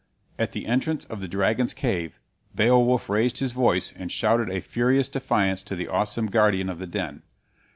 At the entrance of the dragon's cave Beowulf raised his voice and shouted a furious defiance to the awesome guardian of the den.